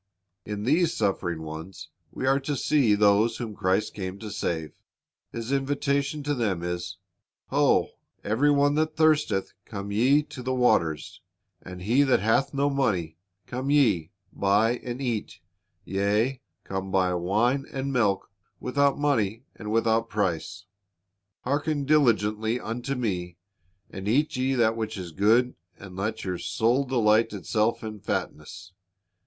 In these suffering ones we are to see those whom Christ came to save. His invitation to them is, "Ho, every one that thirsteth, come ye to the waters, and he that hath no money; come ye, buy and eat; yea, come, buy wine and milk without money and without price. ... Hearken diligently unto Me, and eat ye that which is good, and let your soul delight itself in fatness.